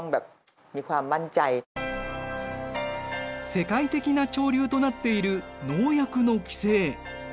世界的な潮流となっている農薬の規制。